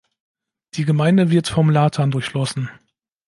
Die Gemeinde wird vom Lathan durchflossen.